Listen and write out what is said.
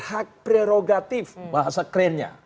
hak prerogatif bahasa kerennya